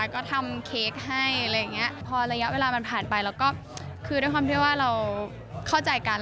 ก็ทำเค้กให้อะไรอย่างนี้พอระยะเวลามันผ่านไปแล้วก็คือด้วยความที่ว่าเราเข้าใจกัน